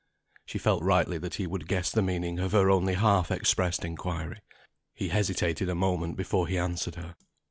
She felt rightly that he would guess the meaning of her only half expressed inquiry. He hesitated a moment before he answered her.